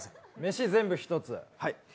飯、全部１つ。